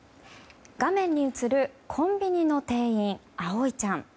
画面に映る、コンビニの店員あおいちゃん。